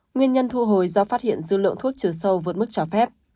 nguyên nhân thu hồi do phát hiện dư lượng thuốc chứa sâu vượt mức trả phép